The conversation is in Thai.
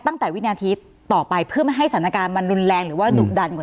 ตั้งแต่วิทยาธิต่อไปเพื่อไม่ให้สถานการณ์รุนแรงหรือดุกดัน